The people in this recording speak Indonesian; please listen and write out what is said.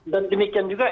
dan demikian juga